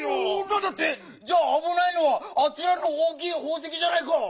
なんだって⁉じゃああぶないのはあちらのおおきいほうせきじゃないか！